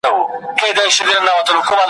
چي هر څو یې زور کاوه بند وه ښکرونه `